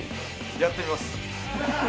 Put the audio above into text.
やってみます。